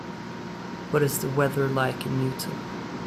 What is the weather like in Newton